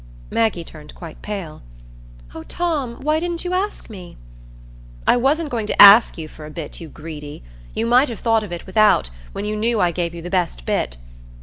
Maggie turned quite pale. "Oh, Tom, why didn't you ask me?" "I wasn't going to ask you for a bit, you greedy. You might have thought of it without, when you knew I gave you the best bit."